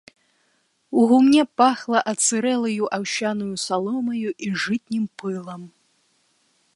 У гумне пахла адсырэлаю аўсянаю саломаю і жытнім пылам.